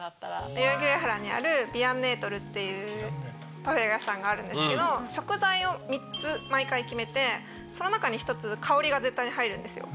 代々木上原にあるビヤンネートルっていうパフェ屋さんがあるんですけど食材を３つ毎回決めてその中に１つ香りが絶対に入るんですよ。